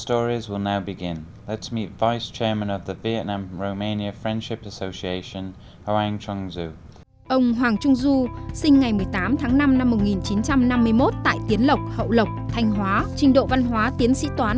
ông hoàng trung du sinh ngày một mươi tám tháng năm năm một nghìn chín trăm năm mươi một tại tiến lộc hậu lộc thanh hóa trình độ văn hóa tiến sĩ toán